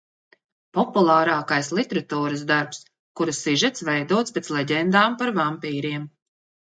Populārākais literatūras darbs, kura sižets veidots pēc leģendām par vampīriem.